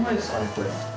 これ。